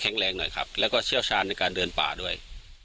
แรงหน่อยครับแล้วก็เชี่ยวชาญในการเดินป่าด้วย